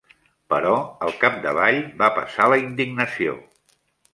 Però, al capdavall, va passar la indignació.